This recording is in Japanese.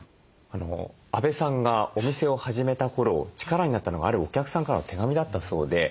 阿部さんがお店を始めた頃力になったのがあるお客さんからの手紙だったそうで。